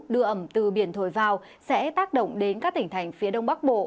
đưa ẩm từ biển thổi vào sẽ tác động đến các tỉnh thành phía đông bắc bộ